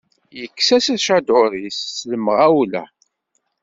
Yekkes-as aččadur-is s lemɣawla.